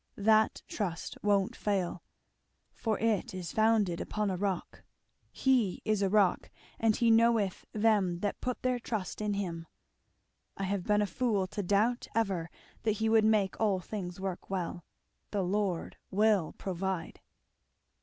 That trust won't fail, for it is founded upon a rock. 'He is a rock; and he knoweth them that put their trust in him!' I have been a fool to doubt ever that he would make all things work well The Lord will provide!"